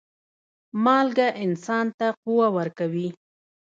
مالګه انسان ته قوه ورکوي.